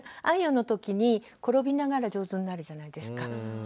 あんよの時に転びながら上手になるじゃないですか。